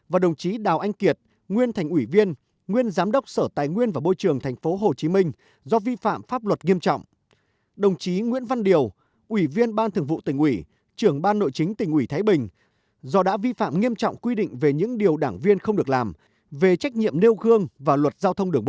và đồng chí đào anh kiệt nguyên thành ủy viên nguyên giám đốc sở tài nguyên và bôi trường tp hcm do vi phạm pháp luật nghiêm trọng